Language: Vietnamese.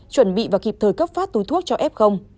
chuẩn bị và kịp thời cấp phát túi thuốc cho f